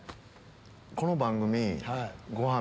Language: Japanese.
この番組ごはん